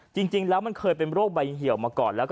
จริงแล้วมันเคยเป็นโรคใบเหี่ยวมาก่อนแล้ว